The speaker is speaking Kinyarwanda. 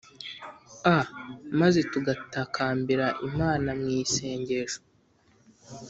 a maze tugatakambira imana mu isengesho